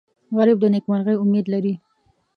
غریب د نیکمرغۍ امید لري